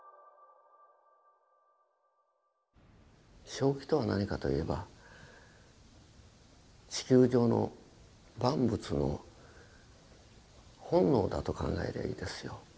正気とは何かと言えば地球上の万物の本能だと考えりゃいいですよ。